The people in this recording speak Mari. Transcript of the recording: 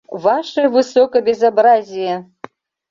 Ваше высокобезобразие!